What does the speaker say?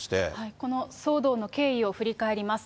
この騒動の経緯を振り返ります。